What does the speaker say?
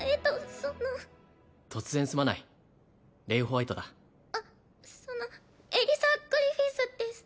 その突然すまないレイ＝ホワイトだあっそのエリサ＝グリフィスです